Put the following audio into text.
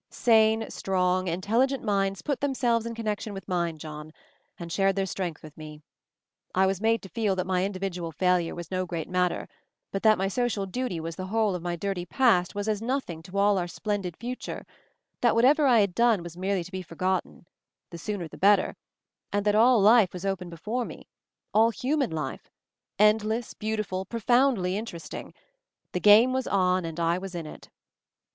"Sane, strong, intelligent minds put them selves in connection with mine, John, and shared their strength with me. I was matters to feel that my individual failure was na great matter, but that my social duty wast that the whole of my dirty past was as nothJ ing to all our splendid future, that whatever I had done was merely to be forgotten — the sooner the better, and that all life was open before me — all human life; endless, beauti ful, profoundly interesting — the game was on, and I was in it.